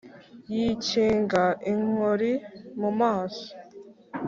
Yikinga inkori mu maso